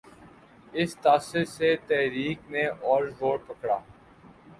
اس تاثر سے تحریک نے اور زور پکڑا۔